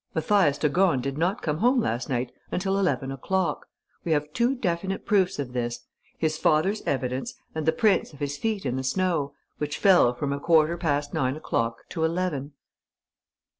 Mathias de Gorne did not come home last night until eleven o'clock. We have two definite proofs of this: his father's evidence and the prints of his feet in the snow, which fell from a quarter past nine o'clock to eleven."